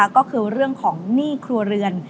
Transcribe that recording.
ก็คือเรื่องของหนี้ครัวเรือน